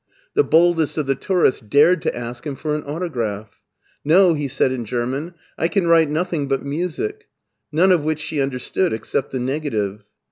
The boldest of the tourists dared to ask him for an autograph. " No," he said in German, "I can write nothing but music" — ^none of which she understood except the negative.